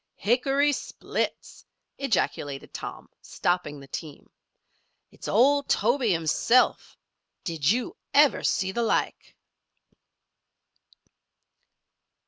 "Hickory splits!" ejaculated Tom, stopping the team. "It's old Tobe himself! Did you ever see the like!"